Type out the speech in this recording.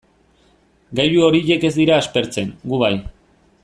Gailu horiek ez dira aspertzen, gu bai.